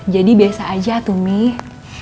jadi biasa aja tuh mih